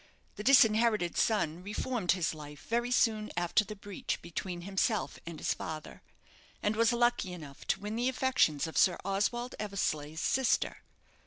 The disinherited son reformed his life very soon after the breach between himself and his father, and was lucky enough to win the affections of Sir Oswald Eversleigh's sister.